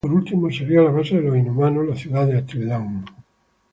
Por último, sería la base de los inhumanos, la ciudad de Attilan.